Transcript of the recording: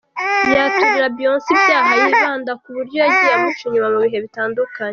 Yaturira Beyoncé ibyaha yibanda ku buryo yagiye amuca inyuma mu bihe bitandukanye.